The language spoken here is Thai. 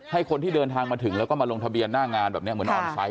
ให้คนที่เดินทางมาถึงแล้วก็มาลงทะเบียนหน้างานแบบนี้เหมือนออนไซต์